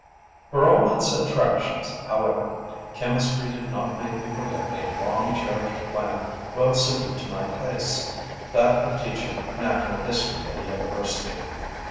For all its attractions, however, chemistry did not make me forget a long cherished plan well suited to my tastes, that of teaching natural history at a university.